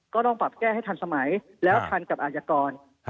ก็ต้องปรับแก้ให้ทันสมัยแล้วทันกับอาจกร